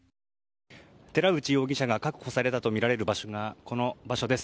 寺内容疑者が確保されたとみられる場所がこの場所です。